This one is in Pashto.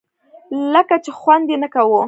لکه چې خوند یې نه کاوه.